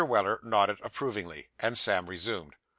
Weller nodded approvingly, and Sam resumed.